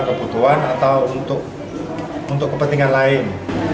kebutuhan atau untuk kepentingan lain